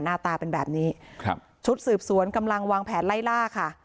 หน้าตาเป็นแบบนี้ครับชุดสืบสวนกำลังวางแผนไล่ล่าค่ะ